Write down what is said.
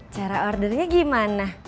cara ordernya gimana